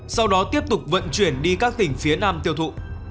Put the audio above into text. sau đó tiếp tục vận chuyển đi các tỉnh phía nam tiêu thụ